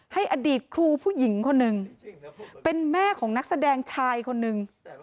ให้อดีตครูผู้หญิงคนหนึ่งเป็นแม่ของนักแสดงชายคนหนึ่ง